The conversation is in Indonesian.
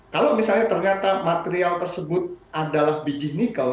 kalau misalnya ternyata material tersebut adalah biji nikel